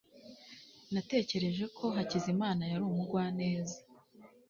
natekereje ko hakizimana yari umugwaneza